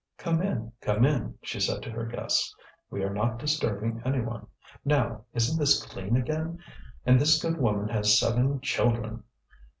"Come in, come in," she said to her guests. "We are not disturbing any one. Now, isn't this clean again! And this good woman has seven children!